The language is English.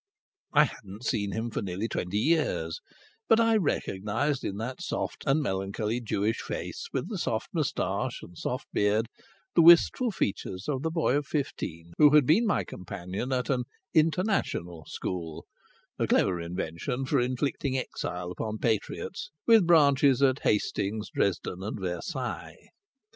I had not seen him for nearly twenty years, but I recognized in that soft and melancholy Jewish face, with the soft moustache and the soft beard, the wistful features of the boy of fifteen who had been my companion at an "international" school (a clever invention for inflicting exile upon patriots) with branches at Hastings, Dresden and Versailles.